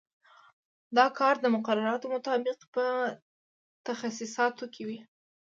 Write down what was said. دا کار د مقرراتو مطابق په تخصیصاتو کې کوي.